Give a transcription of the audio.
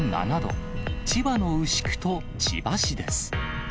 千葉の牛久と千葉市です。